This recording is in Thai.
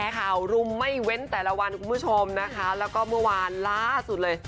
ข่าวรุมไม่เว้นแต่ละวันคุณผู้ชมนะคะแล้วก็เมื่อวานล่าสุดเลย